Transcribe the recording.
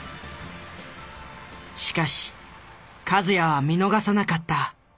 しかし和也は見逃さなかった。